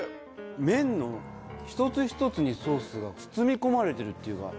麺の一つ一つにソースが包み込まれてるっていうか。